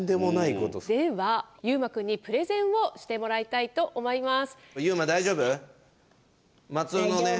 ではゆうまくんにプレゼンをしてもらいたいと思います。